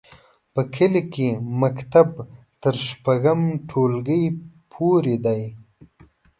په کلي کې مکتب تر شپږم ټولګي پورې دی.